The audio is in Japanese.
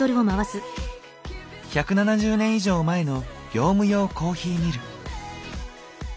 １７０年以上前の業務用コーヒーミル。